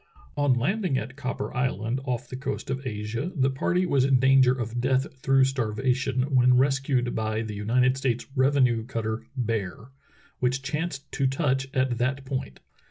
On landing at Copper Island, off the coast of Asia, the party was in danger of death through starvation when rescued by the United States revenue cutter Bear^ which chanced to touch at that point.